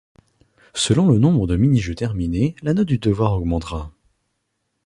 Selon le nombre de mini-jeux terminé, la note du devoir augmentera.